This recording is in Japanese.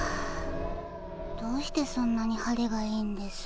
どうしてそんなに晴れがいいんです？